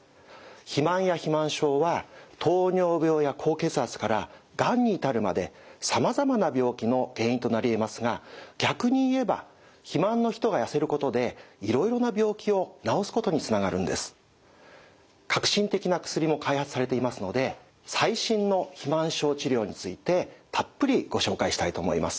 肥満や肥満症は糖尿病や高血圧からがんに至るまでさまざまな病気の原因となりえますが逆に言えば革新的な薬も開発されていますので最新の肥満症治療についてたっぷりご紹介したいと思います。